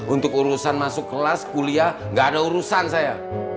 untuk urusan masuk kelas kuliah gak ada urusan saya